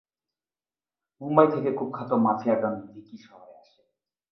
মুম্বাই থেকে কুখ্যাত mafia don Vicky শহরে আসে।